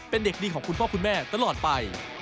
เป็นเด็กดีของคุณพ่อคุณแม่ตลอดไป